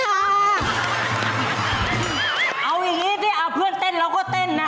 เอาอย่างนี้สิเอาเพื่อนเต้นเราก็เต้นนะ